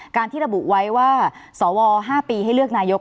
การที่ระบุไว้ว่าสว๕ปีให้เลือกนายก